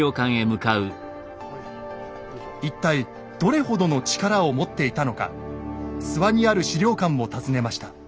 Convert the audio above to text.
一体どれほどの力を持っていたのか諏訪にある史料館を訪ねました。